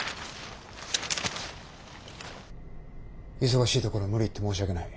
忙しいところ無理言って申し訳ない。